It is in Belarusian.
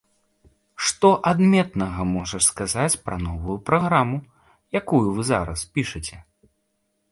Што адметнага можаш сказаць пра новую праграму, якую вы зараз пішаце?